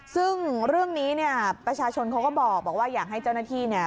ซึ่งเรื่องนี้เนี่ยประชาชนเขาก็บอกว่าอยากให้เจ้าหน้าที่เนี่ย